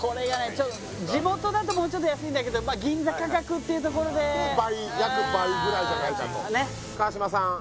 ちょっと地元だともうちょっと安いんだけど銀座価格っていうところで倍約倍ぐらいじゃないかと川島さん